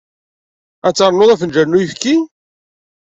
Ad ternuḍ afenǧal n uyefki?